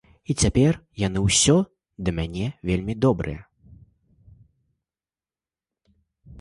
І цяпер яны ўсё да мяне вельмі добрыя!